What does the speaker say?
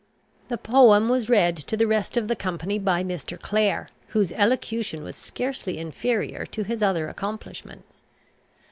The poem was read to the rest of the company by Mr. Clare, whose elocution was scarcely inferior to his other accomplishments.